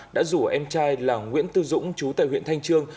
đã rủ em trai là nguyễn tư dũng chú tại huyện thanh trương